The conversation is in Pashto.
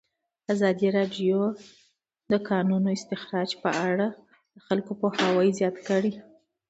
ازادي راډیو د د کانونو استخراج په اړه د خلکو پوهاوی زیات کړی.